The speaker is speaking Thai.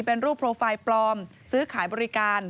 เป็นรูปโปรไฟล์ปลอมซื้อขายบริการ